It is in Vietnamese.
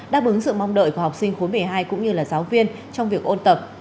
đã bứng sự mong đợi của học sinh khối một mươi hai cũng như là giáo viên trong việc ôn tập